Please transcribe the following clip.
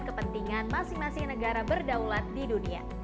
kepentingan masing masing negara berdaulat di dunia